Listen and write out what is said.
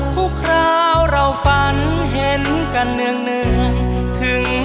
ทุกคราวเราฝันเห็นกันเนื่อง